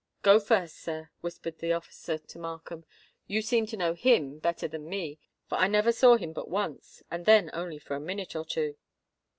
"Go first, sir," whispered the officer to Markham. "You seem to know him better than me, for I never saw him but once—and then only for a minute or two."